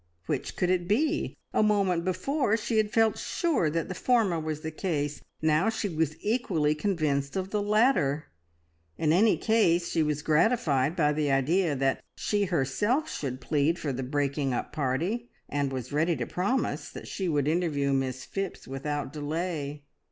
Which could it be? A moment before she had felt sure that the former was the case, now she was equally convinced of the latter. In any case she was gratified by the idea that she herself should plead for the breaking up party, and was ready to promise that she would interview Miss Phipps without delay.